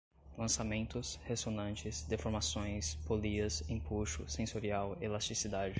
lançamentos, ressonantes, deformações, polias, empuxo, sensorial, elasticidade